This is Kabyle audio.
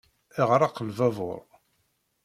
Iɣreq lbabur.